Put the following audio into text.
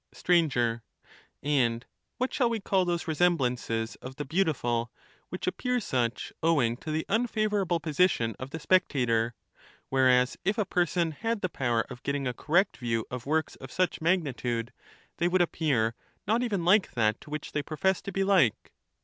Str. And what shall we call those resemblances of the beautiful, which appear such owing to the unfavourable position of the spectator, whereas if a person had the power of getting a correct view of works of such magnitude, they would appear not even like that to which they profess jp be like?